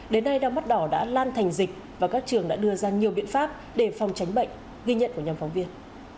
đến nay đau mắt đỏ đã lan thành dịch và các trường đã đưa ra nhiều biện pháp để phòng tránh bệnh ghi nhận của nhóm phóng viên